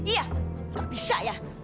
iya gak bisa ya